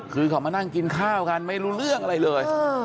คือเขามานั่งกินข้าวกันไม่รู้เรื่องอะไรเลย